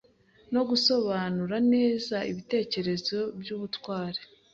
no gusobanura neza ibitekerezo byubutwari